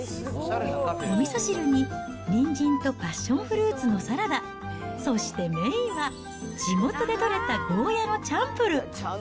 おみそ汁に、にんじんとパッションフルーツのサラダ、そしてメインは地元で取れたゴーヤのチャンプル。